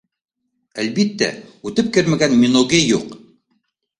Әлбиттә, үтеп кермәгән миноге юҡ